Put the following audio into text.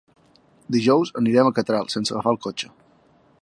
Dijous anirem a Catral sense agafar el cotxe.